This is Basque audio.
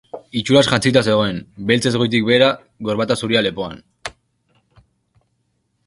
Itxuraz jantzita zegoen, beltzez goitik behera, gorbata zuria lepoan.